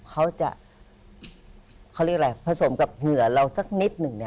เขาจะผสมกับเหนือเราสักนิดหนึ่ง